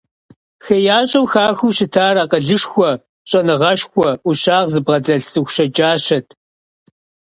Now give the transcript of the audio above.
ХеящӀэу хахыу щытар акъылышхуэ, щӀэныгъэшхуэ. Ӏущагъ зыбгъэдэлъ цӀыху щэджащэт.